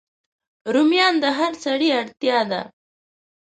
رومیان د هر سړی اړتیا ده